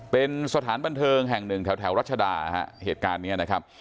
เป็นสถานบันเทิงแห่งหนึ่งแถวรัชดาฮะเหตุการณ์นี้นะครับ